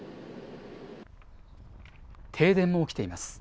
停電も起きています。